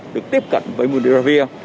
được tiếp cận với monopiravir